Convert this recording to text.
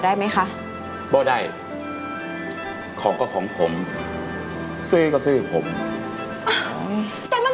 ได้ไหมคะบ่ได้ของก็ของผมซื้อก็ซื้อผมแต่มัน